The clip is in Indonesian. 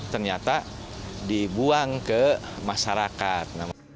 ternyata dibuang ke masyarakat